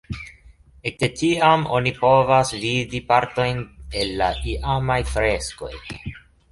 Ekde tiam oni povas vidi partojn el la iamaj freskoj.